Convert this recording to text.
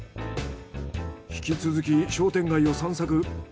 引き続き商店街を散策。